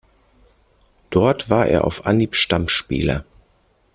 Dort war er auf Anhieb Stammspieler.